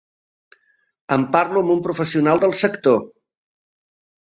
En parlo amb un professional del sector.